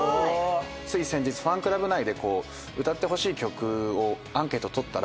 つい先日ファンクラブ内で歌ってほしい曲をアンケート取ったら。